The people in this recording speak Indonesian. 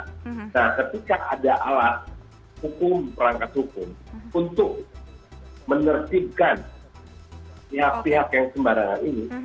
nah ketika ada alat hukum perangkat hukum untuk menertibkan pihak pihak yang sembarangan ini